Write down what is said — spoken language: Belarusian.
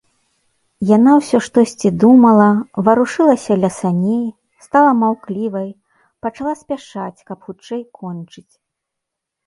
Яна ўсё штосьці думала, варушылася ля саней, стала маўклівай, пачала спяшаць, каб хутчэй кончыць.